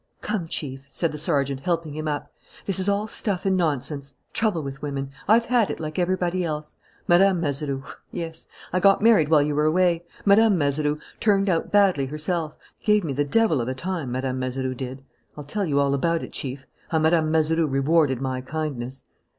"Come, Chief," said the sergeant, helping him up. "This is all stuff and nonsense. Trouble with women: I've had it like everybody else. Mme. Mazeroux yes, I got married while you were away Mme. Mazeroux turned out badly herself, gave me the devil of a time, Mme. Mazeroux did. I'll tell you all about it, Chief, how Mme. Mazeroux rewarded my kindness."